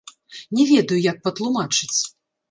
Не ведаю, як патлумачыць.